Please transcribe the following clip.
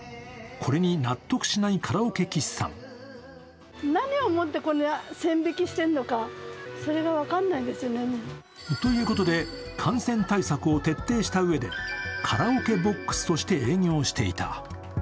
これに納得しないカラオケ喫茶もということで、感染対策を徹底したうえでカラオケボックスとして営業していた。